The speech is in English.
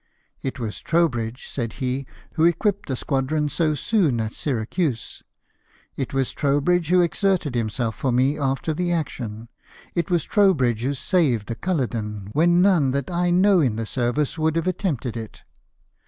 " It was Trowbridge," said he, " who equipped the squadron so soon at Syracuse ; it was Trowbridge who exerted himself for me after the action ; it was Trowl;)ridge who saved the Culloden when none that I know in the service would have attempted it."